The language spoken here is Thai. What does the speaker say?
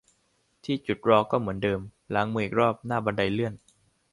ที่จุดรอก็เหมือนเดิม ล้างมืออีกรอบหน้าบันไดเลื่อน